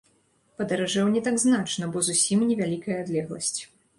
Падаражэў не так значна, бо зусім невялікая адлегласць.